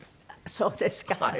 そうですか。